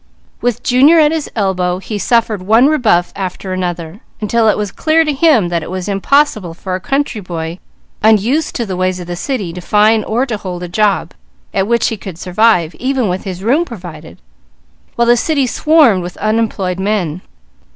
With Junior at his elbow he suffered one rebuff after another, until it was clear to him that it was impossible for a country boy unused to the ways of the city to find or to hold a job at which he could survive, even with his room provided, while the city swarmed with unemployed men.